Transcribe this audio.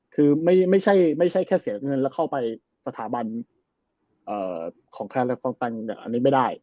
คือไม่ใช่แค่เสียเงินแล้วเข้าไปสถาบันของตังอันนี้ไม่ได้